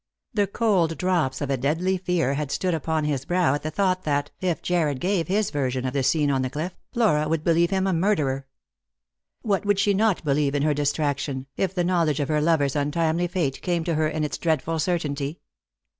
The cold drops of a deadly fear had stood upon his brow at the thought that, if Jarred gave hia version of the scene on the cliff, Flora would believe him a murderer. What would she not believe in her distraction, if the knowledge of her lover's untimely fate came to her in its dreadful certainty